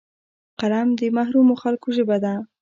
قلم د محرومو خلکو ژبه ده